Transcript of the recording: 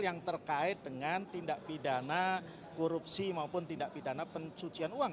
yang terkait dengan tindak pidana korupsi maupun tindak pidana pencucian uang